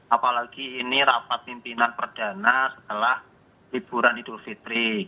apalagi ini rapat pimpinan perdana setelah liburan idul fitri